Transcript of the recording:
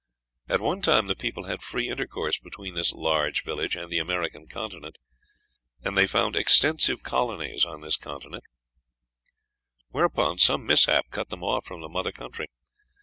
At one time the people had free intercourse between this "large village" and the American continent, and they founded extensive colonies on this continent; whereupon some mishap cut them off from the mother country.